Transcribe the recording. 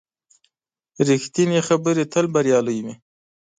ریښتینې خبرې تل بریالۍ وي.